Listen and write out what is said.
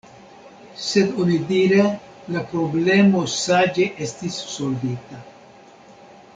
Sed onidire la problemo saĝe estis solvita.